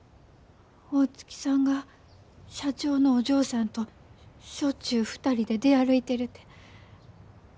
大月さんが社長のお嬢さんとしょっちゅう２人で出歩いてるて。